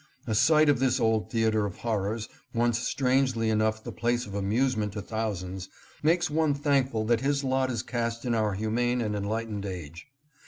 A sight of this old theater of horrors, once strangely enough the place of amusement to thousands, makes one thankful that his lot is cast in our humane and enlightened age.